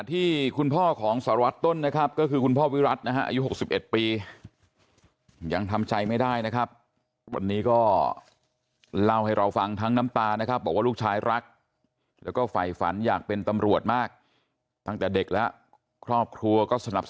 ที่กำงานมีคุณธรรมกับลูกน้องครับ